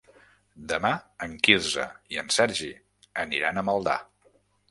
Demà en Quirze i en Sergi aniran a Maldà.